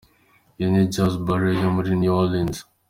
Iyi ni Jazz burial yo muri New Orleans.